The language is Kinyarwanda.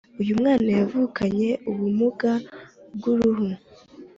uyumwana yavukanye ubumuga bwuruhu